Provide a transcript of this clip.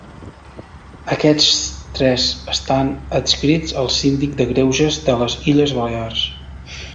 Aquests tres estan adscrits al Síndic de Greuges de les Illes Balears.